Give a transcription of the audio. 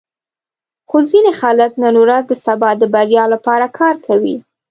خو ځینې خلک نن ورځ د سبا د بریا لپاره کار کوي.